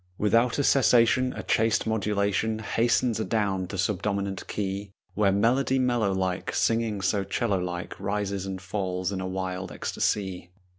Without a cessation A chaste modulation Hastens adown to subdominant key, Where melody mellow like Singing so 'cello like Rises and falls in a wild ecstasy.